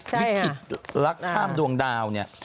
ใช่ค่ะวิธีลักษณ์ข้ามดวงดาวนี่